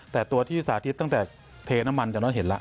แต่ตัวที่สาธิตตั้งแต่เทน้ำมันจากนั้นเห็นล่ะ